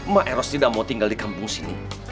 maeros tidak mau tinggal di kampung sini